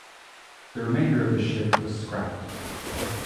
The remainder of the ship was scrapped.